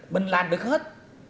mình làm được hết